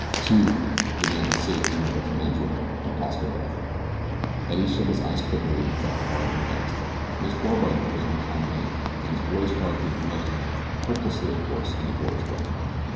Too, the man had saved his mother from injury, and possible death. Eddie shut his eyes quickly and thought hard and fast. Miss Barbara had always been kind to him. In his boyish heart he had loved her, hopelessly of course, in a boyish way.